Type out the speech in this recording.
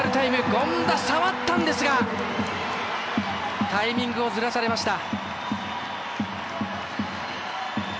権田、触ったんですがタイミングをずらされました。